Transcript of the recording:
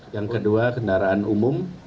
yang kedua kendaraan umum